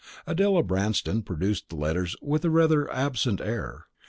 Adela Branston produced the letters with rather an absent air.